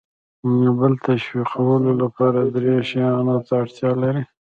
د بل د تشویقولو لپاره درې شیانو ته اړتیا لر ئ :